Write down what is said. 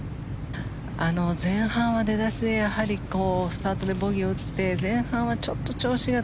前半は出だしでスタートでボギーを打って前半はちょっと調子が。